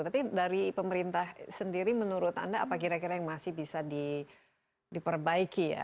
tapi dari pemerintah sendiri menurut anda apa kira kira yang masih bisa diperbaiki ya